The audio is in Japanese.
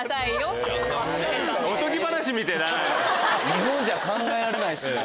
日本じゃ考えられないっすね。